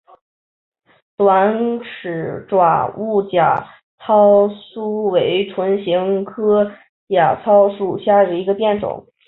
短齿爪哇假糙苏为唇形科假糙苏属下的一个变种。